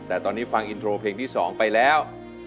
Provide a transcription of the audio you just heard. แต่ตอนนี้ฟังอินโทรเพลงที่๒ไปแล้ว